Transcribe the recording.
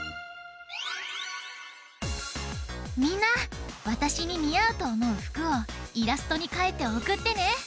みんなわたしににあうとおもうふくをイラストにかいておくってね。